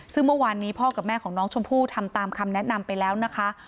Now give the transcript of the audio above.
ซึ่งเมื่อวานนี้พ่อกับแม่ของน้องชมพู่ทำตามคำแนะนำไปแล้วนะคะ